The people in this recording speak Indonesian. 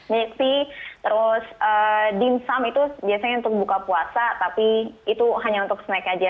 mixt terus dimsum itu biasanya untuk buka puasa tapi itu hanya untuk snack aja